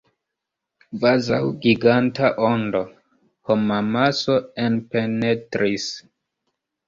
Kvazaŭ giganta ondo, homamaso enpenetris.